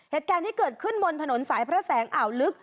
เหตุการณ์ที่เกิดขึ้นบนถนนสายพระแสงอ่าวลึก